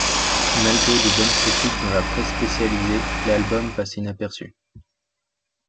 Malgré de bonnes critiques dans la presse spécialisée, l'album passe inaperçu.